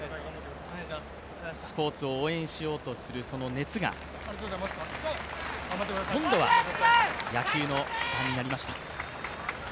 スポーツを応援しようとする、その熱が、今度は野球にありました。